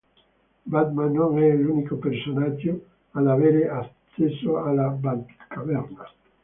Batman non è l'unico personaggio ad avere accesso alla Batcaverna.